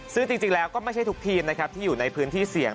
ซึ่งจริงแล้วก็ไม่ใช่ทุกทีมนะครับที่อยู่ในพื้นที่เสี่ยง